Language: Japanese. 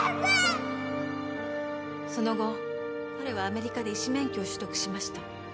その後彼はアメリカで医師免許を取得しました